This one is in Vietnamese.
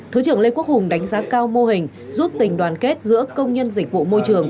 thứ trưởng lê quốc hùng đánh giá cao mô hình giúp tình đoàn kết giữa công nhân dịch vụ môi trường